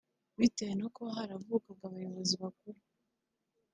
bitewe no kuba haravukaga abayobozi bakuru